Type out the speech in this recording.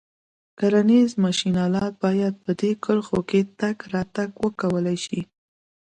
کرنیز ماشین آلات باید په دې کرښو کې تګ راتګ وکولای شي.